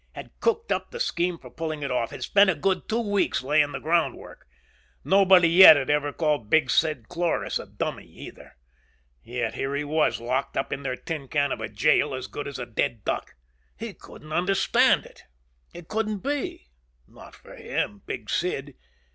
Had cooked up the scheme for pulling it off. Had spent a good two weeks laying the groundwork. Nobody yet had ever called Big Sid Cloras a dummy either. Yet here he was locked up in their tin can of a jail, as good as a dead duck. He couldn't understand it. It couldn't be. Not for him, Big Sid.